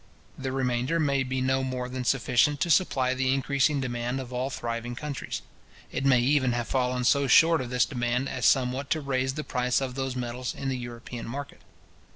The remainder may be no more than sufficient to supply the increasing demand of all thriving countries. It may even have fallen so far short of this demand, as somewhat to raise the price of those metals in the European market.